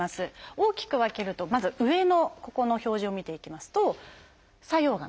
大きく分けるとまず上のここの表示を見ていきますと作用が３つ。